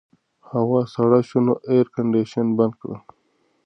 هوا سړه شوه نو اېرکنډیشن بند کړه.